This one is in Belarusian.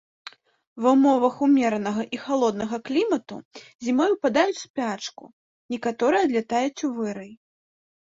Ва ўмовах умеранага і халоднага клімату зімой упадаюць у спячку, некаторыя адлятаюць у вырай.